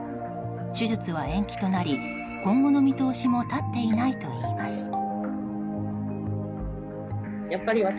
手術は延期となり今後の見通しも立っていないといいます。